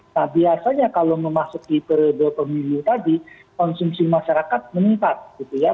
nah biasanya kalau memasuki periode pemilu tadi konsumsi masyarakat meningkat gitu ya